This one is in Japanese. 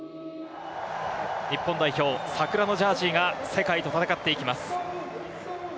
日本代表、桜のジャージが世界と戦っていきます。